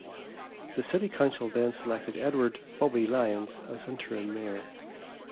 The city council then selected Edward "Bubby" Lyons as interim mayor.